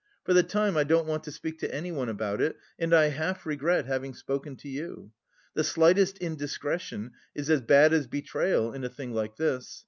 For the time I don't want to speak to anyone about it and I half regret having spoken to you. The slightest indiscretion is as bad as betrayal in a thing like this.